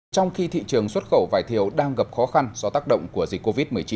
trong khi thị trường xuất khẩu vải thiều đang gặp khó khăn do tác động của dịch covid một mươi chín